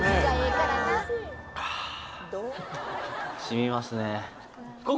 あー、しみますね。